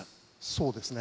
そうですね。